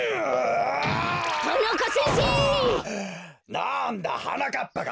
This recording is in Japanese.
なんだはなかっぱか。